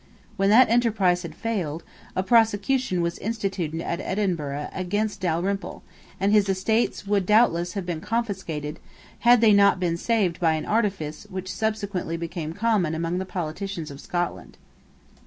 When that enterprise had failed, a prosecution was instituted at Edinburgh against Dalrymple; and his estates would doubtless have been confiscated had they not been saved by an artifice which subsequently became common among the politicians of Scotland.